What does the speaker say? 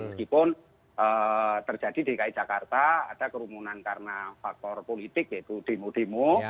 meskipun terjadi di ki jakarta ada kerumunan karena faktor politik yaitu demo demo